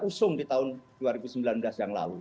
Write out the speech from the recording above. usung di tahun dua ribu sembilan belas yang lalu